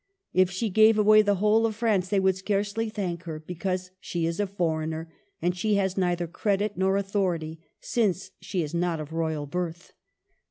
If she gave away the whole of France, they would scarcely thank her, because she is a foreigner; and she has neidier credit nor authority, since she is not of royal birth."